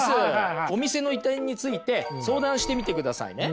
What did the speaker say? お店の移転について相談してみてくださいね。